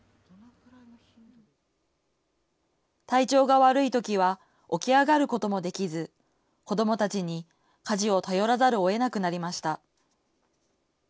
体調が悪いときは起き上がることもできず、子どもたちに家事を頼らざるをえなくなりました。